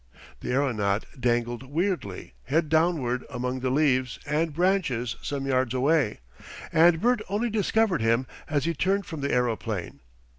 The aeronaut dangled weirdly head downward among the leaves and branches some yards away, and Bert only discovered him as he turned from the aeroplane.